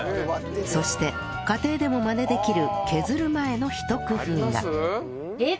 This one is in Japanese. そして家庭でもまねできる削る前のひと工夫が